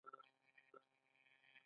وې ئې مور مې راته هر سحر وائي ـ